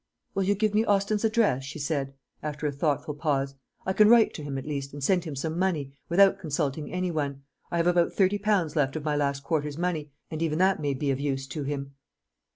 "Will you give me Austin's address" she asked, after a thoughtful pause. "I can write to him, at least, and send him some money, without consulting any one. I have about thirty pounds left of my last quarter's money, and even that may be of use to him."